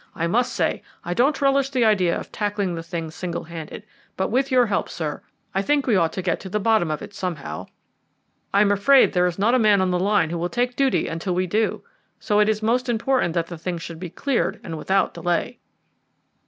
I must say I don't much relish the idea of tackling the thing single handed; but with your help, sir, I think we ought to get to the bottom of it somehow. I am afraid there is not a man on the line who will take duty until we do. So it is most important that the thing should be cleared, and without delay."